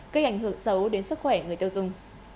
gây ảnh hưởng xấu đến sức khỏe người tiêu dùng